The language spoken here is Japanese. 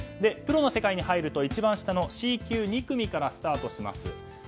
プロの世界に入ると一番下のＣ級２組からスタートします。